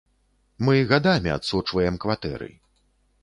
Мы гадамі адсочваем кватэры.